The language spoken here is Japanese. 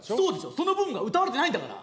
その部分が歌われてないんだから。